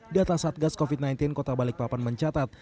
data satgas covid sembilan belas kota balikpapan mencatat